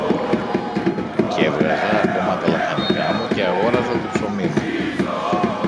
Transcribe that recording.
κι έβγαζα ακόμα τα λαχανικά μου και αγόραζα το ψωμί μου.